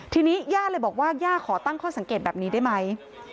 ทีนี้ย่าเลยบอกว่าย่าขอตั้งข้อสังเกตแบบนี้ได้ไหม